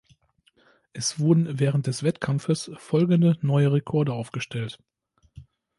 Es wurden während des Wettkampfes folgende neue Rekorde aufgestellt.